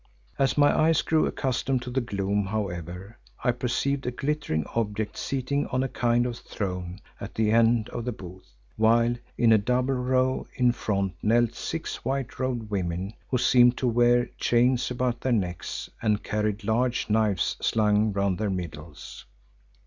As my eyes grew accustomed to the gloom, however, I perceived a glittering object seated on a kind of throne at the end of the booth, while in a double row in front knelt six white robed women who seemed to wear chains about their necks and carried large knives slung round their middles.